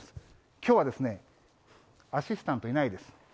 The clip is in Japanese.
きょうはアシスタントいないです。